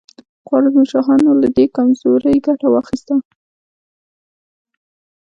خوارزم شاهانو له دې کمزورۍ ګټه واخیسته.